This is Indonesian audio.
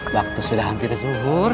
waktu sudah hampir zuhur